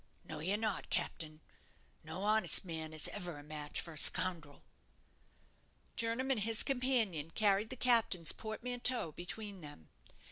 "No, you're not, captain. No honest man is ever a match for a scoundrel." Jernam and his companion carried the captain's portmanteau between them.